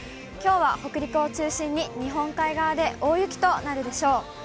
きょうは北陸を中心に、日本海側で大雪となるでしょう。